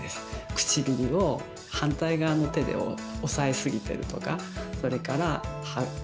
唇を反対側の手で押さえすぎてるとかそれから歯ブラシが痛いとかね。